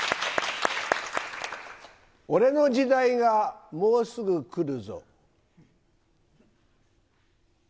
俺の時代がもうすぐ来るぞ。